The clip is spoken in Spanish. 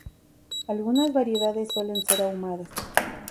Algunas variedades suelen ser ahumadas.